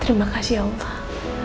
terima kasih allah